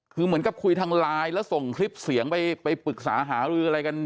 คือเหมือนกับคุยทางไลน์แล้วส่งคลิปเสียงไปปรึกษาหารืออะไรกัน